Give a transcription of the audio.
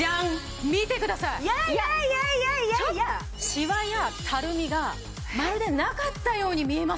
しわやたるみがまるでなかったように見えません？